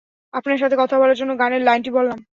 আপনার সাথে কথা বলার জন্য গানের লাইনটি বললাম।